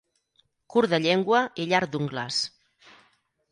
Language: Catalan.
Curt de llengua i llarg d'ungles.